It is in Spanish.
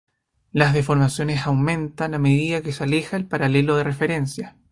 Las deformaciones aumentan a medida que se aleja del paralelo de referencia.